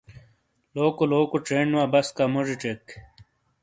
لوکو لوکو چینڈ وا بسکا موجی چیک۔